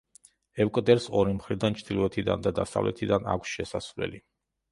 ეკვდერს ორი მხრიდან, ჩრდილოეთიდან და დასავლეთიდან, აქვს შესასვლელი.